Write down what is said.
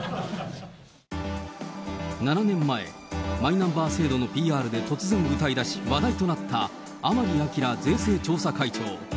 ７年前、マイナンバー制度のＰＲで突然歌いだし、話題となった甘利明税制調査会長。